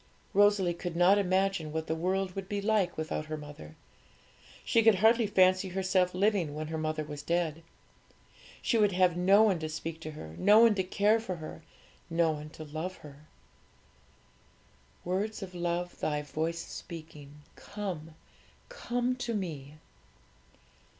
Rosalie could not imagine what the world would be like without her mother. She could hardly fancy herself living when her mother was dead. She would have no one to speak to her, no one to care for her, no one to love her. 'Words of love Thy voice is speaking, 'Come, come to Me."'